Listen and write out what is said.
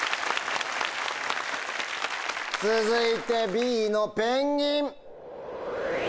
続いてＢの「ペンギン」。